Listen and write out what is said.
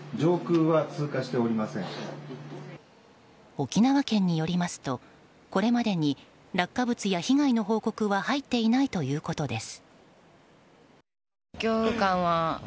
沖縄県によりますとこれまでに落下物や被害の報告は入っていないということです。